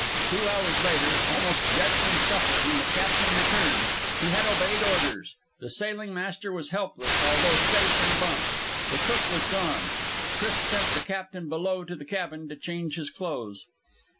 Two hours later, almost dead from suffering, the captain returned. He had obeyed orders. The sailing master was helpless, although safe in a bunk; the cook was gone. Chris sent the captain below to the cabin to change his clothes.